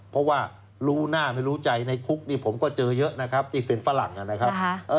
เพราะว่ารู้หน้าไม่รู้ใจในคุกนี่ผมก็เจอเยอะนะครับที่เป็นฝรั่งนะครับ